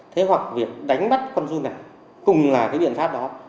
thế hoặc việc đánh bắt con run này cùng là cái điện thoát đó